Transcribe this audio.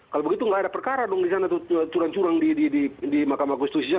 kalau begitu nggak ada perkara dong di sana curang curang di makam agustus itu